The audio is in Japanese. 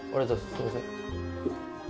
すいません。